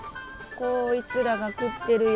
こいつらが食ってるよ。